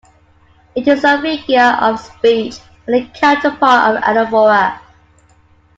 It is a figure of speech and the counterpart of anaphora.